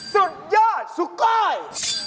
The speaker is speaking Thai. สุดยอดสุก้อย